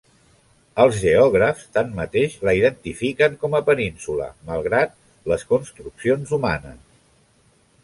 Els geògrafs, tanmateix, la identifiquen com a península malgrat les construccions humanes.